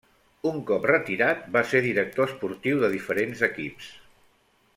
Un cop retirat, va ser director esportiu de diferents equips.